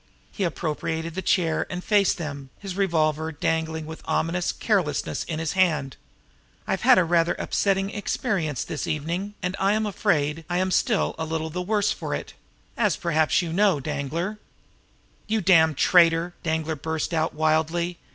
He appropriated the chair, and faced them, his revolver dangling with ominous carelessness in his hand. "I've had a rather upsetting experience this evening, and I am afraid I am still a little the worse for it as perhaps you know, Danglar?" "You damned traitor!" Danglar burst out wildly.